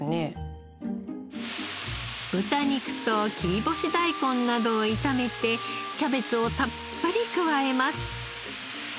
豚肉と切り干し大根などを炒めてキャベツをたっぷり加えます。